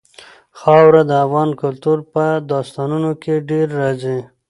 خاوره د افغان کلتور په داستانونو کې ډېره راځي.